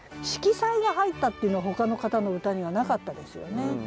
色彩が入ったっていうのはほかの方の歌にはなかったですよね。